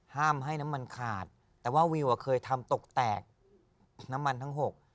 ห้ามให้น้ำมันขาดแต่ว่าวิวอ่ะเคยทำตกแตกน้ำมันทั้งหก